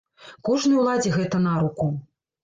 Кожнай уладзе гэта на руку.